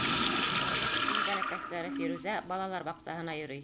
Иң бәләкәстәре Фирүзә балалар баҡсаһына йөрөй.